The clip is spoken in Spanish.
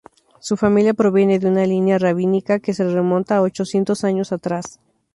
Su familia proviene de una línea rabínica que se remonta a ochocientos años atrás.